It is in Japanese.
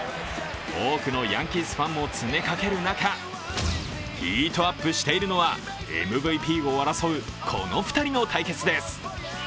多くのヤンキースファンも詰めかける中ヒートアップしているのは、ＭＶＰを争うこの２人の対決です。